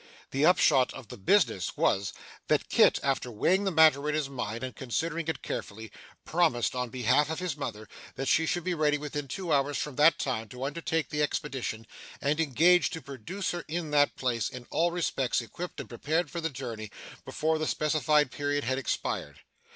The upshot of the business was, that Kit, after weighing the matter in his mind and considering it carefully, promised, on behalf of his mother, that she should be ready within two hours from that time to undertake the expedition, and engaged to produce her in that place, in all respects equipped and prepared for the journey, before the specified period had expired.